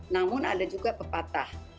namun ada juga pepatah